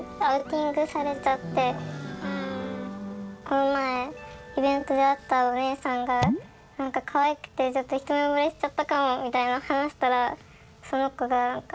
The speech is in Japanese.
この前イベントで会ったお姉さんがかわいくてちょっと一目ぼれしちゃったかもみたいな話したらその子がえ？